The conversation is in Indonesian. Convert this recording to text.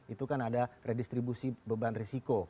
itu kan ada redistribusi beban risiko